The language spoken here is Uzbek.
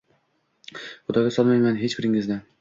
Xudoga solmayman hech biringizni.